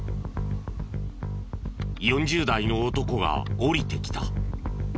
４０代の男が降りてきた。